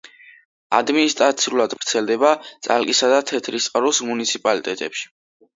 ადმინისტრაციულად ვრცელდება წალკისა და თეთრიწყაროს მუნიციპალიტეტებში.